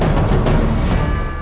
laki laki itu masih hidup